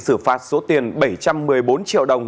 xử phạt số tiền bảy trăm một mươi bốn triệu đồng